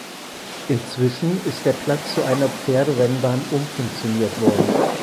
Inzwischen ist der Platz zu einer Pferderennbahn umfunktioniert worden.